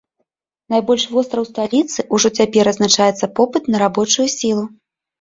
Найбольш востра ў сталіцы ўжо цяпер адзначаецца попыт на рабочую сілу.